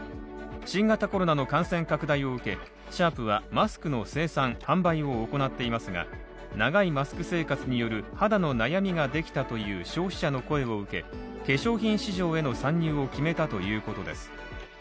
新型コロナの感染拡大を受け、シャープはマスクの生産・販売を行っていますが長いマスク生活による肌の悩みができたという消費者の声を受け、化粧品市場への参入を決めたということです。